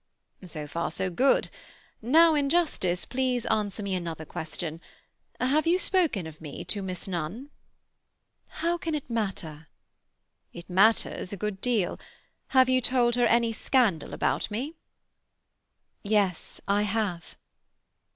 "So far so good. Now, in justice, please answer me another question. How have you spoken of me to Miss Nunn?" "How can it matter?" "It matters a good deal. Have you told her any scandal about me?" "Yes, I have."